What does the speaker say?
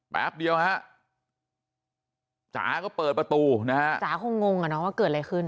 แป๊บเดียวฮะจ๋าก็เปิดประตูนะฮะจ๋าคงงอ่ะเนาะว่าเกิดอะไรขึ้น